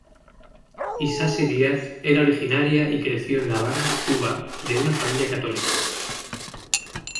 Isasi-Díaz era originaria y creció en La Habana, Cuba, de una familia católica.